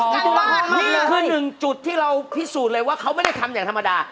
นี่คือหนึ่งจุดที่เราพิสูจน์เลยว่าเขาไม่ได้ทำอย่างธรรมดา